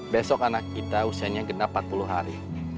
besok anak kita usianya genap empat puluh hari